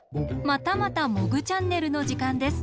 またまた「モグチャンネル」のじかんです。